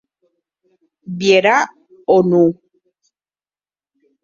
Vierà o non?